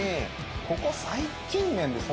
ここ最近年です